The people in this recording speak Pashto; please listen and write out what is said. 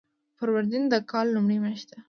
فروردین د کال لومړۍ میاشت ده.